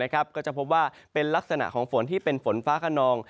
ก็จะพบว่าเป็นลักษณะของฝนที่เป็นฝนฟ้าขนอง